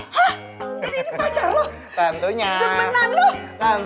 hah jadi ini pacar lo